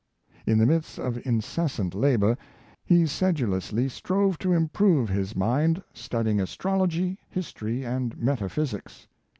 In the midst of incessant labor, he sedulously strove to improve his mind, studying astronomy, history, and metaphysics.